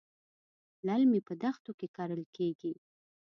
للمي په دښتو کې کرل کېږي.